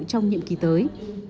trong nhiệm kỳ tới